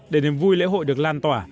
để niềm vui lễ hội được lan tỏa